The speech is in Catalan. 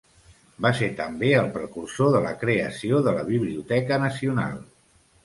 Va ser també el precursor de la creació de la Biblioteca Nacional.